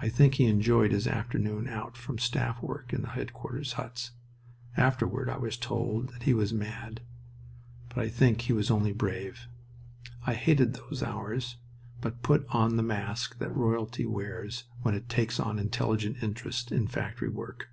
I think he enjoyed his afternoon out from staff work in the headquarters huts. Afterward I was told that he was mad, but I think he was only brave. I hated those hours, but put on the mask that royalty wears when it takes an intelligent interest in factory work.